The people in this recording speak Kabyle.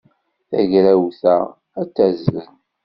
Tagrawt-a ad tazzel.